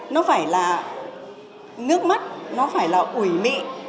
nó phải là ngước mắt nó phải là ủi mị